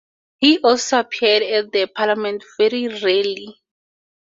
He also appeared at the parliament very rarely.